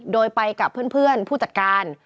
โดยไปกับเพื่อนผู้จัดการ